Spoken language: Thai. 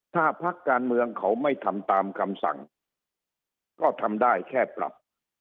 ถ้าพักการเมืองเขาไม่ทำตามคำสั่งก็ทำได้แค่ปรับ